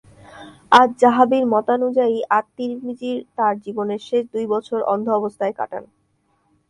আয-যাহাবির মতানুযায়ী আত-তিরমিজি তার জীবনের শেষ দুই বছর অন্ধ অবস্থায় কাটান।